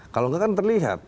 kalau nggak kan terlihat